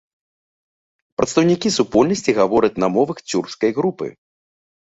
Прадстаўнікі супольнасці гавораць на мовах цюркскай групы.